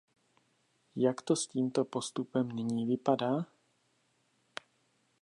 Jak to s tímto postupem nyní vypadá?